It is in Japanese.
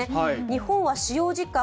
日本は使用時間